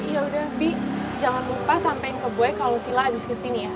yaudah bi jangan lupa sampein ke boy kalo sila abis kesini ya